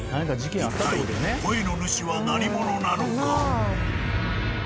一体声の主は何者なのか？